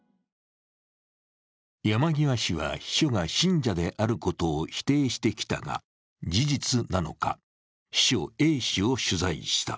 山際氏は秘書が信者であることを否定してきたが、事実なのか、秘書・Ａ氏を取材した。